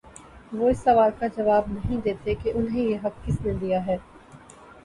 وہ اس سوال کا جواب نہیں دیتے کہ انہیں یہ حق کس نے دیا ہے۔